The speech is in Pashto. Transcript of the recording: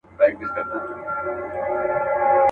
لا ترڅو به وچ په ښاخ پوري ټالېږم.